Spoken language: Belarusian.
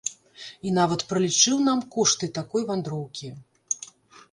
І нават пралічыў нам кошты такой вандроўкі.